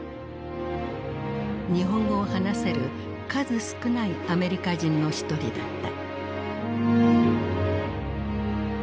日本語を話せる数少ないアメリカ人の一人だった。